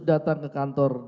datang ke kantor